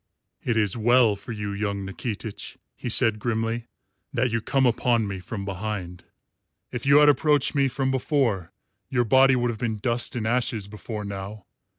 "It is well for you, young Nikitich," he said grimly, "that you come upon me from behind. If you had approached me from before, your body would have been dust and ashes before now.